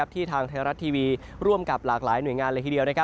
ที่ทางไทยรัฐทีวีร่วมกับหลากหลายหน่วยงานเลยทีเดียว